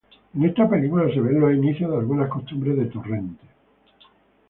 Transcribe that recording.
En esta película se ven los inicios de algunas costumbres de Torrente.